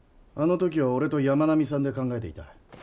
あの時は俺と山南さんで考えていた。